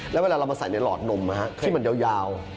แล้วเวลาเรามาใส่ในหลอดนมที่มันยาว